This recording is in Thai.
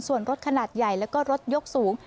ส่วนรถขนาดใหญ่แล้วก็รถยกสูง